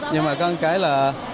nhưng mà có một cái là